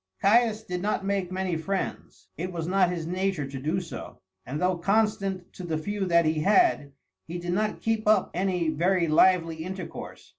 Caius did not make many friends. It was not his nature to do so, and though constant to the few that he had, he did not keep up any very lively intercourse.